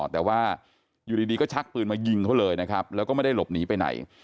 แต่ว่าอยู่ดีก็ชักปืนมายิงเขาเลยนะครับแล้วก็ไม่ได้หลบหนีไปไหน